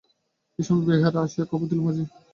এমন সময় বেহারা আসিয়া খবর দিল, মাজি, কাঁহাসে মায়ীলোক আয়া।